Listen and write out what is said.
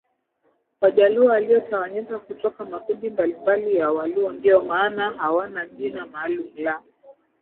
Wajaluo waliotawanyika kutoka kwa makundi mbalimbali ya Waluo ndiyo maana hawana jina maalum la